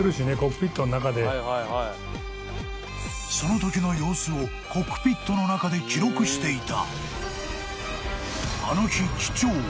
［そのときの様子をコックピットの中で記録していた］